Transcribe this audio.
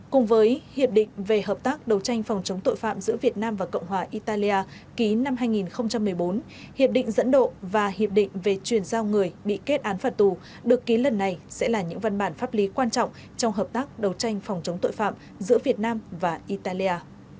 cùng với hiệp định về hợp tác đầu tranh phòng chống tội phạm giữa việt nam và cộng hòa italia ký năm hai nghìn một mươi bốn hiệp định dẫn độ và hiệp định về truyền giao người bị kết án phạt tù được ký lần này sẽ là những văn bản pháp lý quan trọng trong hợp tác đầu tranh phòng chống tội phạm giữa việt nam và italia